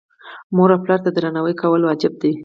مور او پلار ته درناوی کول واجب دي.